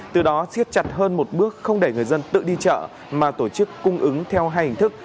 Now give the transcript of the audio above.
từ đó xiết chặt hơn một bước không để người dân tự đi chợ mà tổ chức cung ứng theo hai hình thức